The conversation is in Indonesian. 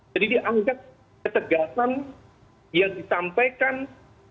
jadi dianggap ketegasan yang disampaikan tuhan